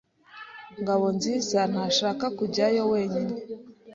Ngabonziza ntashaka kujyayo wenyine.